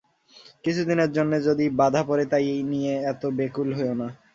কিছুদিনের জন্যে যদি বাধা পড়ে তাই নিয়ে এত ব্যাকুল হোয়ো না।